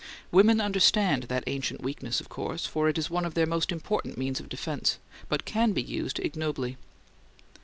Women understand that ancient weakness, of course; for it is one of their most important means of defense, but can be used ignobly.